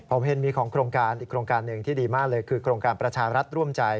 ผมเห็นมีของโครงการอีกโครงการหนึ่งที่ดีมากเลยคือโครงการประชารัฐร่วมใจ